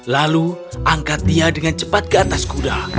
lalu angkat dia dengan cepat ke atas kuda